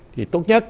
thì tốt nhất